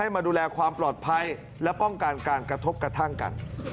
มาดูแลความปลอดภัยและป้องกันการกระทบกระทั่งกัน